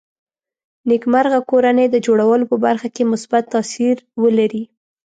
نېکمرغه کورنۍ د جوړولو په برخه کې مثبت تاثیر ولري